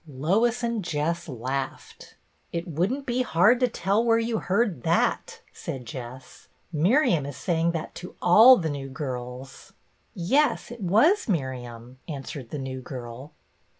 Lois and Jess laughed. " It would n't be hard to tell where you THE CLASS ELECTION 255 heard that," said Jess. "Miriam is saying that to all the new girls." "Yes, it was Miriam," answered the new girl.